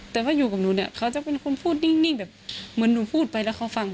แต่ว่าอยู่กับหนูเนี่ยเขาจะเป็นคนพูดนิ่งแบบเหมือนหนูพูดไปแล้วเขาฟัง